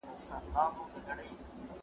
زه ږغ اورېدلی دی!؟